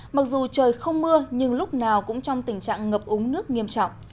mặc dù trời không mưa nhưng lúc nào cũng trong tình trạng ngập úng nước nghiêm trọng